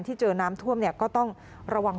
ที่เจอน้ำท่วมเนี่ยก็ต้องระวัง